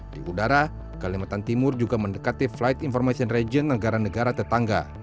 di udara kalimantan timur juga mendekati flight information region negara negara tetangga